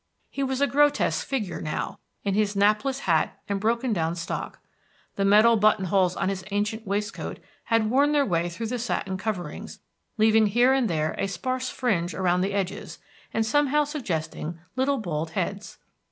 He was a grotesque figure now, in his napless hat and broken down stock. The metal button holes on his ancient waistcoat had worn their way through the satin coverings, leaving here and there a sparse fringe around the edges, and somehow suggesting little bald heads.